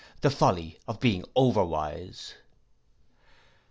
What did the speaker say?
The folly of being over wise.